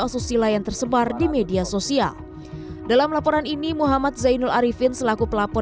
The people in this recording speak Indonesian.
asusila yang tersebar di media sosial dalam laporan ini muhammad zainul arifin selaku pelapor